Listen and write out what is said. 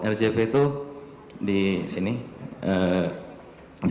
rgp itu di sini